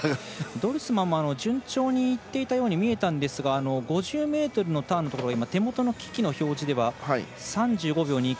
ドルスマンも順調にいっていたように見えたんですが５０ｍのターンのところ手元の機器の表示では３５秒２９。